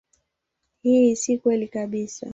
Hii si kweli kabisa.